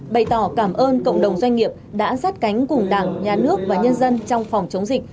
bày tỏ cảm ơn cộng đồng doanh nghiệp đã sát cánh cùng đảng nhà nước và nhân dân trong phòng chống dịch